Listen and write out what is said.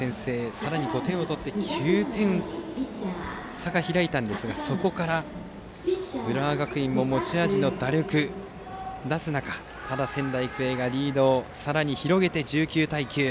さらに５点取って９点差が開きましたがそこから浦和学院も持ち味の打力を出す中でただ、仙台育英がリードをさらに広げて１９対９。